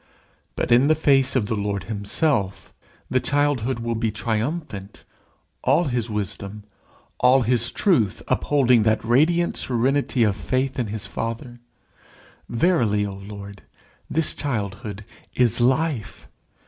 But in the face of the Lord himself, the childhood will be triumphant all his wisdom, all his truth upholding that radiant serenity of faith in his father. Verily, O Lord, this childhood is life.